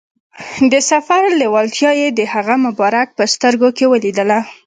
د سفر لیوالتیا یې د هغه مبارک په سترګو کې ولیدله.